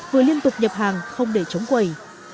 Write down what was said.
vừa liên tục nhập hàng không để chống quầy